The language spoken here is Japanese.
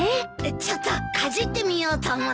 ちょっとかじってみようと思って。